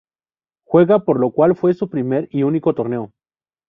Juega por lo cual fue su primer y único torneo.